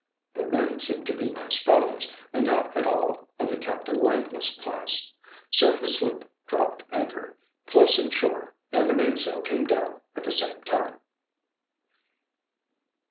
The men seemed to be nice fellows, and not at all of the Captain Langless class. Soon the sloop dropped anchor close in shore and the mainsail came down at the same time.